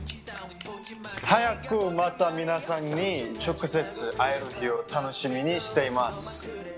早くまた皆さんに直接会える日を楽しみにしています。